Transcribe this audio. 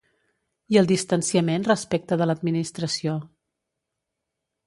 I el distanciament respecte de l’administració.